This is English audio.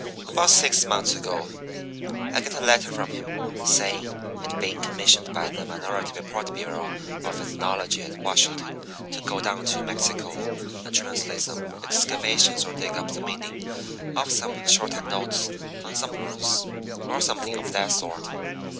"About six months ago I get a letter from him, saying he'd been commissioned by the Minority Report Bureau of Ethnology at Washington to go down to Mexico and translate some excavations or dig up the meaning of some shorthand notes on some ruins or something of that sort.